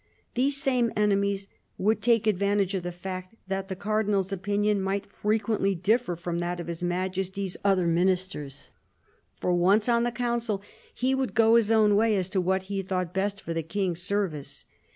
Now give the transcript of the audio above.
These same enemies would take advantage of the fact that the Cardinal's opinion might frequently differ from that of His Majesty's other Ministers ; for, once on the Council, he would go his own way as to what he thought best for the King's service.